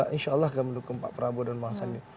insya allah kami dukung pak prabowo dan mas ani